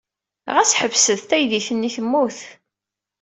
Ɣas ḥsebet taydit-nni temmut.